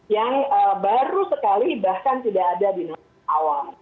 yang baru sekali bahkan tidak ada di nomor awam